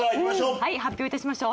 はい発表いたしましょう。